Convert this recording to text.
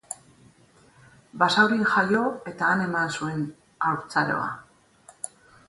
Basaurin jaio eta han eman zuen haurtzaroa.